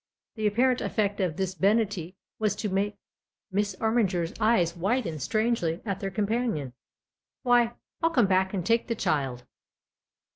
The apparent effect of this benignity was to make Miss Armiger's eyes widen strangely at their com panion. "Why, I'll come back and take the child."